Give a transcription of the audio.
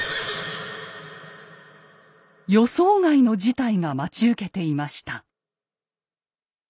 予想外の事態が待ち受けていました。